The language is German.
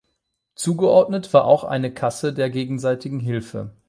Zugeordnet war auch eine Kasse der gegenseitige Hilfe.